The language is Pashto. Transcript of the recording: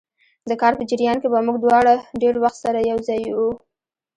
د کار په جریان کې به موږ دواړه ډېر وخت سره یو ځای وو.